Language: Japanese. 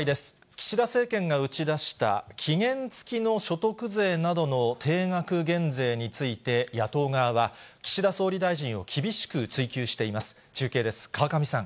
岸田政権が打ち出した期限付きの所得税などの定額減税について野党側は、岸田総理大臣を厳しく追及しています。